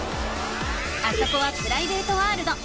あそこはプライベートワールド。